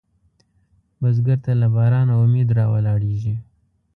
بزګر ته له بارانه امید راولاړېږي